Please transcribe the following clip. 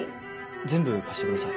全部貸してください。